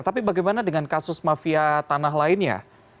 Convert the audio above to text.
tapi bagaimana dengan kasus mafia tanah lainnya